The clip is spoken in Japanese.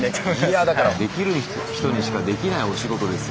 いやだからできる人にしかできないお仕事ですよね。